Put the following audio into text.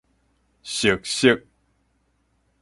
熟悉